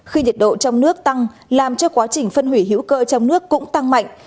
khi nhiệt độ trong nước tăng làm cho quá trình phân hủy hữu cơ trong nước cũng tăng mạnh